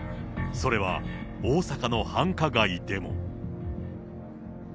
それは、大阪の繁華街でも。